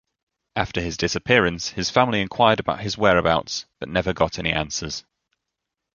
After his disappearance, his family inquired about his whereabouts but never got any answers.